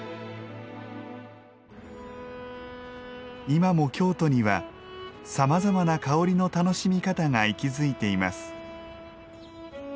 今も京都にはさまざまな香りの楽しみ方が息づいています。